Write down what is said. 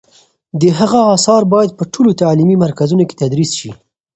د هغه آثار باید په ټولو تعلیمي مرکزونو کې تدریس شي.